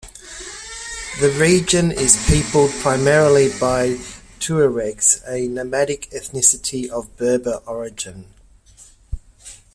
The region is peopled primarily by Tuaregs, a nomadic ethnicity of Berber origin.